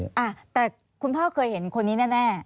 อ่ะแต่คุณพ่อเคยเห็นคนนี้แน่